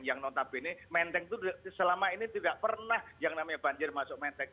yang notabene menteng itu selama ini tidak pernah yang namanya banjir masuk menteng